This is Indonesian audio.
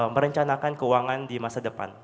merencanakan keuangan di masa depan